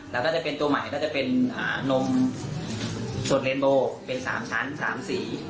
แล้วถ้าจะเป็นตัวใหม่ก็จะเป็นนมส่วนเรนโบเป็น๓ชั้น๓สี